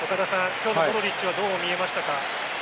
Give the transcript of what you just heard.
今日のモドリッチはどう見えましたか？